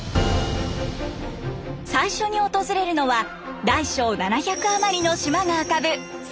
最初に訪れるのは大小７００余りの島が浮かぶ瀬戸内海の島。